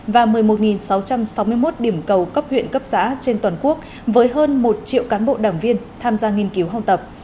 và một mươi một sáu trăm sáu mươi một điểm cầu cấp huyện cấp xã trên toàn quốc với hơn một triệu cán bộ đảng viên tham gia nghiên cứu học tập